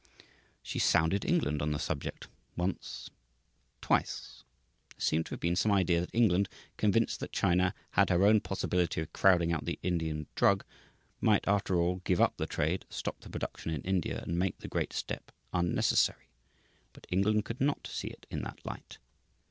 She sounded England on the subject, once, twice. There seemed to have been some idea that England, convinced that China had her own possibility of crowding out the Indian drug, might, after all, give up the trade, stop the production in India, and make the great step unnecessary. But England could not see it in that light.